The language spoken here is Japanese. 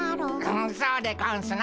うんそうでゴンスな。